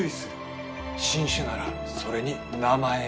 新種ならそれに名前を付ける。